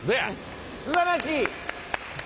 すばらしい！